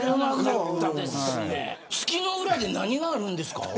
月の裏に何があるんですか。